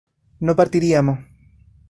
no partiríamos